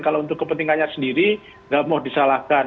kalau untuk kepentingannya sendiri nggak mau disalahkan